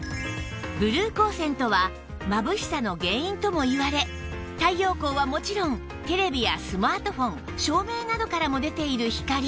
ブルー光線とはまぶしさの原因ともいわれ太陽光はもちろんテレビやスマートフォン照明などからも出ている光